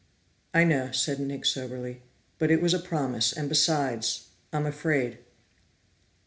"I know," said Nick soberly, "but it was a promise, and besides, I'm afraid."